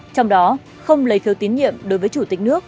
trong đó không lấy phiếu tín nhiệm đối với chủ tịch nước